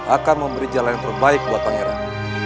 akan memberi jalan yang terbaik buat pangeran